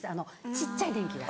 小っちゃい電気は。